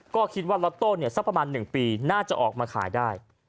ก็คิดว่าล็อตโต้สักประมาณ๑ปีน่าจะออกมาขายได้